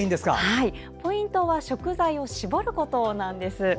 ポイントは食材を絞ることなんです。